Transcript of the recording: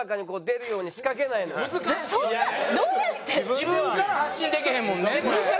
自分から発信できへんもんねこれ。